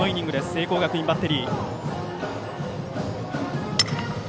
聖光学院バッテリー。